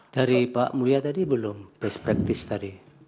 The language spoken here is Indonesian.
dari pak mulia tadi belum best practice tadi